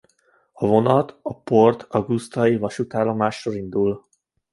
A vonat a Port Augusta-i vasútállomásról indul.